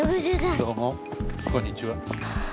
どうもこんにちは。